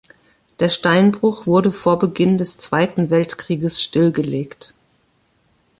Der Steinbruch wurde vor Beginn des Zweiten Weltkrieges stillgelegt.